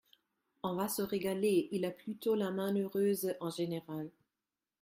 On va se régaler, il a plutôt la main heureuse, en général.